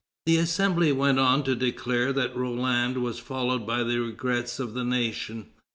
The Assembly went on to declare that Roland was followed by the regrets of the nation.